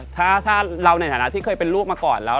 ถ้าเราในฐานะที่เคยเป็นลูกมาก่อนแล้ว